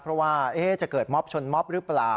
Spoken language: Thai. เพราะว่าจะเกิดม็อบชนม็อบหรือเปล่า